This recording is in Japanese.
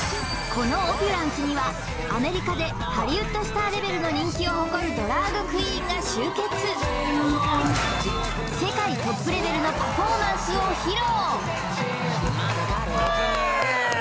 このＯＰＵＬＥＮＣＥにはアメリカでハリウッドスターレベルの人気を誇るドラァグクイーンが集結世界トップレベルのパフォーマンスを披露